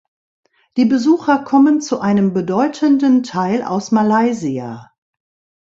Die Besucher kommen zu einem bedeutenden Teil aus Malaysia.